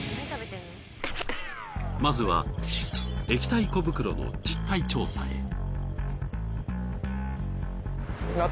まずは液体小袋の実態調査へ。